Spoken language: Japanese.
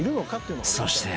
［そして］